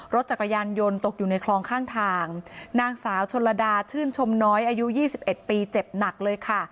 รถจักรยานยนต์ตกอยู่ในคลองข้างทางนางสาวชนลดาชื่นชมน้อยอายุ๒๑ปีเจ็บหนักเลยค่ะ